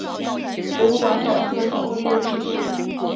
博物馆展示了巧克力的历史。